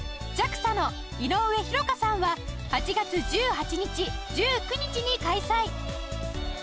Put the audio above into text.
ＪＡＸＡ の井上博夏さんは８月１８日１９日に開催！